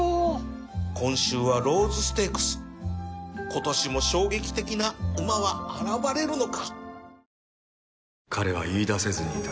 今年も衝撃的な馬は現れるのか